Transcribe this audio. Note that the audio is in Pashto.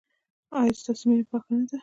ایا ستاسو مینه پاکه نه ده؟